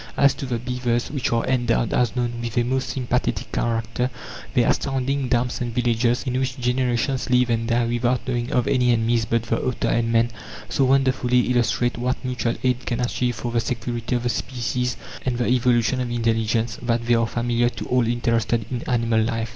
As to the beavers, which are endowed, as known, with a most sympathetic character, their astounding dams and villages, in which generations live and die without knowing of any enemies but the otter and man, so wonderfully illustrate what mutual aid can achieve for the security of the species, the development of social habits, and the evolution of intelligence, that they are familiar to all interested in animal life.